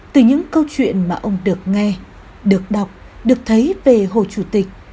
từ những câu chuyện mà ông được nghe được đọc được thấy về hồ chủ tịch